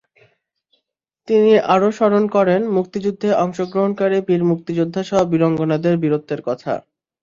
তিনি আরও স্মরণ করেন মুক্তিযুদ্ধে অংশগ্রহণকারী বীর মুক্তিযোদ্ধাসহ বীরাঙ্গনাদের বীরত্বের কথা।